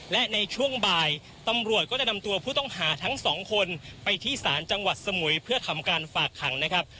และในช่วงบ่ายตำรวจก็จะนำตัวผู้ต้องหาทั้งสองคนไปที่ศาลจังหวัดสมุยเพื่อทำการฝากขังนะครับ